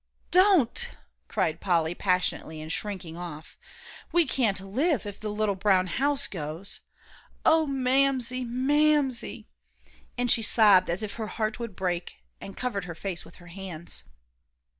"Don't," cried Polly, passionately, and shrinking off; "we can't live, if the little brown house goes. Oh, Mamsie! Mamsie!" and she sobbed as if her heart would break, and covered her face with her hands.